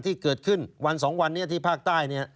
ที่เกิดขึ้นวัน๒วันนี้ที่ภาคใต้เนี่ย